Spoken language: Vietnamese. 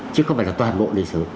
chứ không phải là toàn bộ lịch sử